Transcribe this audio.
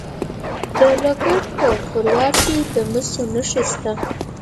د لوګر په خروار کې د مسو نښې شته.